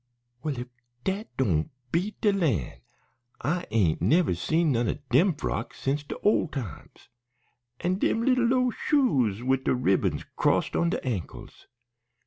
"Well, if dat doan' beat de lan'. I ain't never seen none o' dem frocks since de ole times. An' dem lil low shoes wid de ribbons crossed on de ankles!